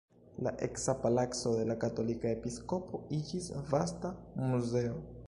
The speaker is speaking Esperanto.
La eksa palaco de la katolika episkopo iĝis vasta muzeo.